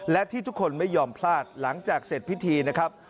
และที่ทุกคนไม่ยอมพลาดหลังจากเสร็จพิธีนะครับ